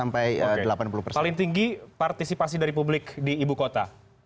paling tinggi partisipasi dari publik di ibu kota